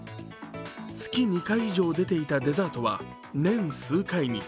月２回以上出ていたデザートは年数回に。